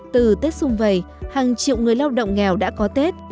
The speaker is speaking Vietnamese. từ tết xung vầy hàng triệu người lao động nghèo đã có tết